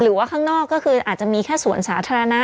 ข้างนอกก็คืออาจจะมีแค่สวนสาธารณะ